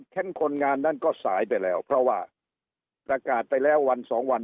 คนงานนั้นก็สายไปแล้วเพราะว่าประกาศไปแล้ววันสองวัน